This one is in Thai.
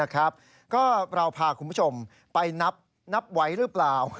ก็เราพาคุณผู้ชมไปนับไว้หรือเปล่า